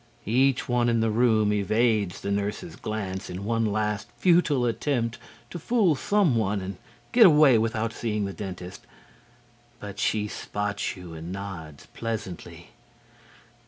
Each one in the room evades the nurse's glance in one last, futile attempt to fool someone and get away without seeing the dentist. But she spots you and nods pleasantly.